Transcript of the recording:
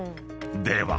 ［では］